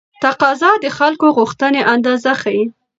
تقاضا د خلکو غوښتنې اندازه ښيي.